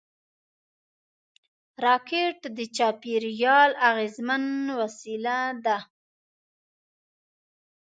راکټ د چاپېریال اغېزمن وسیله ده